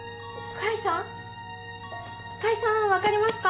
甲斐さんわかりますか？